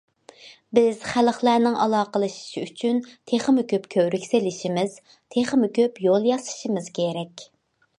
بىز خەلقلەرنىڭ ئالاقىلىشىشى ئۈچۈن تېخىمۇ كۆپ كۆۋرۈك سېلىشىمىز، تېخىمۇ كۆپ يول ياسىشىمىز كېرەك.